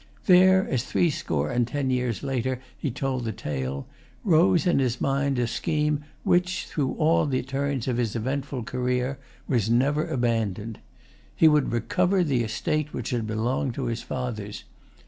There, as threescore and ten years later he told the tale, rose in his mind a scheme which, through all the turns of his eventful career, was never abandoned. He would recover the estate which had belonged to his fathers.